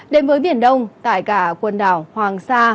đến với biển đông tại cả quần đảo hoàng sa